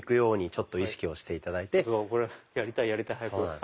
ちょっとこれやりたいやりたい早く。